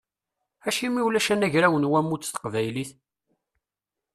Acimi ulac anagraw n wammud s teqbaylit?